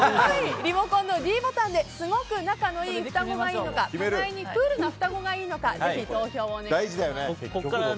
リモコンのｄボタンですごく仲のいい双子がいいのか互いにクールな双子がいいのかぜひ投票をお願いします。